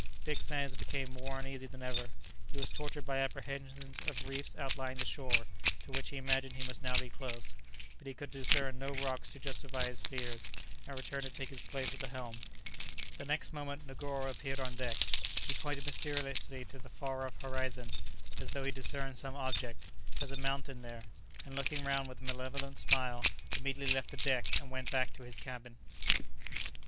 Dick Sands became more uneasy than ever; he was tortured by apprehensions of reefs outlying the shore, to which he imagined he must now be close; but he could discern no rocks to justify his fears, and returned to take his place at the helm. The next moment Negoro appeared on deck; he pointed mysteriously to the far off horizon, as though he discerned some object, as a mountain, there; and looking round with a malevolent smile, immediately left the deck, and went back to his cabin.